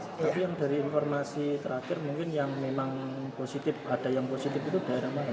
tapi yang dari informasi terakhir mungkin yang memang positif ada yang positif itu daerah mana